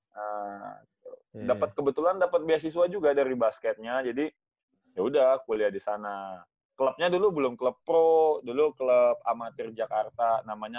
nah kebetulan dapet beasiswa juga dari basketnya jadi yaudah kuliah disana klubnya dulu belum klub pro dulu klub amatir jakarta namanya itu